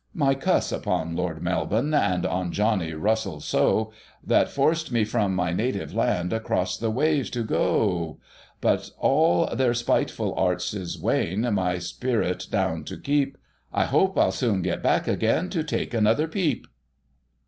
157 " My cuss upon Lord Melbun, and On Jonny Russ all so^ That forc'd me from my native land, Across the waves to go o oh ! But all their spiteful arts is wain, My spirit down to keep ; I hopes I'll soon git back again, To take another peep."